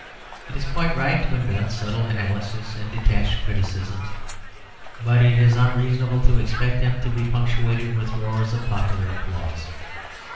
It is quite right to invent subtle analyses and detached criticisms, but it is unreasonable to expect them to be punctuated with roars of popular applause.